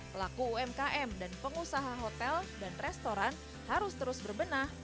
pelaku umkm dan pengusaha hotel dan restoran harus terus berbenah